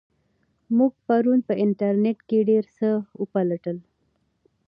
موږ پرون په انټرنیټ کې ډېر څه وپلټل.